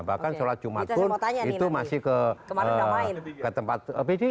bahkan sholat jumat pun itu masih ke tempat pj